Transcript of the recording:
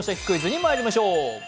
クイズ」にまいりましょう。